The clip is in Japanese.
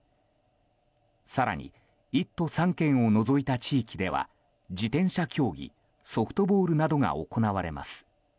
更に、１都３県を除いた地域では自転車競技ソフトボールなどが行われます。